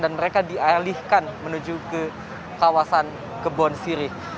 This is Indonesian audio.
dan mereka dialihkan menuju ke kawasan kebon sirih